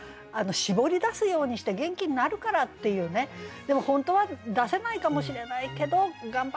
絞り出すようにして元気になるからっていうねでも本当は出せないかもしれないけど頑張るっていうね。